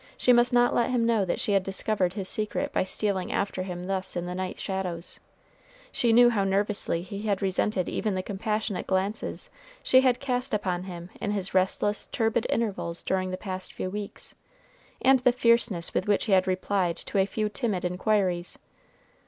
She must not let him know that she had discovered his secret by stealing after him thus in the night shadows. She knew how nervously he had resented even the compassionate glances she had cast upon him in his restless, turbid intervals during the past few weeks, and the fierceness with which he had replied to a few timid inquiries.